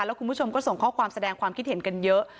แล้วคุณผู้ชมก็ส่งข้อความแสดงความคิดเห็นกันเยอะ